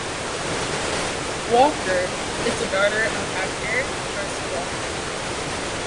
Walker is the daughter of actor Chris Walker.